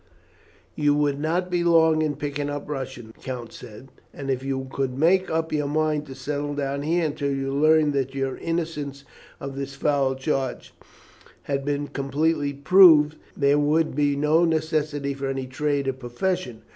"You would not be long in picking up Russian," the count said, "and if you could make up your mind to settle down here until you learn that your innocence of this foul charge has been completely proved, there would be no necessity for any trade or profession.